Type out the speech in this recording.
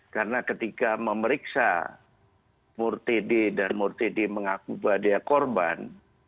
karena ketika memeriksa murtede dan murtede mengaku bahwa dia korban